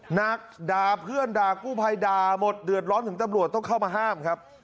หนักด่าเพื่อนด่ากู้ภัยด่าหมดเดือดร้อนถึงตำรวจต้องเข้ามาห้ามครับ